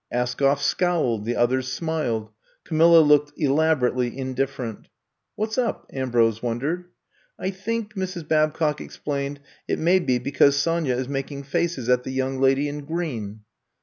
Askoff scowled; the others smiled. Camilla looked elaborately indifferent. What 's up, Ambrose wondered. ^'I think," Mrs. Babcock explained, '4t may be because Sonya is making faces at the young lady in green."